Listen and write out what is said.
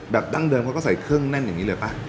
ดั้งเดิมเขาก็ใส่เครื่องแน่นอย่างนี้เลยป่ะ